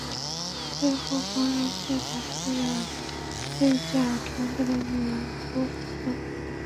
最后黄蓉再把软猬甲传给女儿郭芙了。